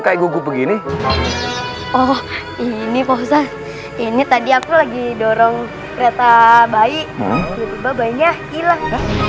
kayak gugup begini oh ini fauza ini tadi aku lagi dorong kereta bayi tiba tiba bayinya hilang